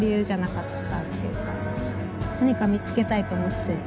何か見つけたいと思って。